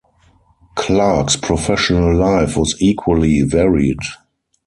Clark's professional life was equally varied.